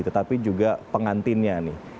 tetapi juga pengantinnya nih